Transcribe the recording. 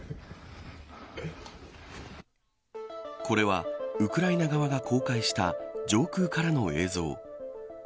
これはウクライナ側が公開した上空からの映像。